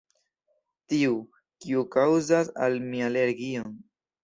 Tiu, kiu kaŭzas al mi alergion...